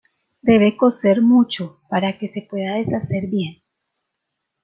Debe cocer mucho para que se pueda deshacer bien.